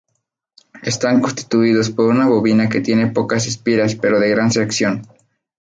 Están constituidos por una bobina que tiene pocas espiras pero de gran sección.